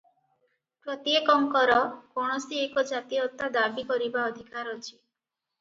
ପ୍ରତ୍ୟେକଙ୍କର କୌଣସି ଏକ ଜାତୀୟତା ଦାବୀ କରିବା ଅଧିକାର ଅଛି ।